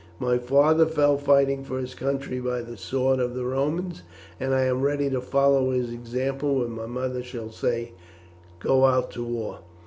My father fell fighting for his country by the sword of the Romans, and I am ready to follow his example when my mother shall say, 'Go out to war.'"